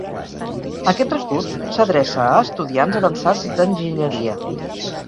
Aquest recurs s'adreça a estudiants avançats d'enginyeria.